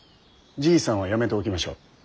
じいさんはやめておきましょう。